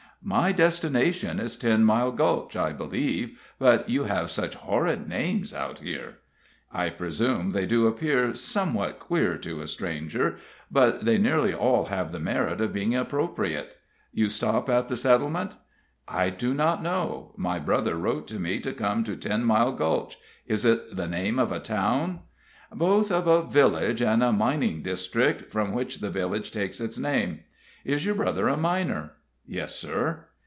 "My destination is Ten Mile Gulch, I believe; but you have such horrid names out here." "I presume they do appear somewhat queer to a stranger, but they nearly all have the merit of being appropriate. You stop at the settlement?" "I do not know. My brother wrote to me to come to Ten Mile Gulch. Is it the name of a town?" "Both of a village and a mining district, from which the village takes its name. Is your brother a miner?" "Yes, sir."